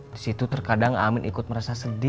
di situ terkadang amin ikut merasa sedih